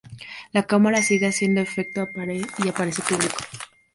La cámara sigue haciendo efectos y aparece público.